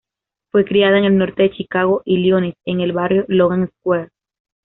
Fue criada en el norte de Chicago, Illinois, en el barrio "Logan Square".